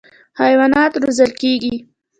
حیوانات روزل کېږي.